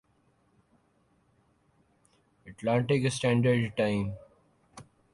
Atlantic standard time